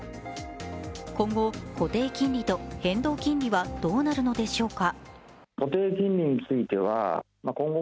今後、固定金利と変動金利はどうなるのでしょうか。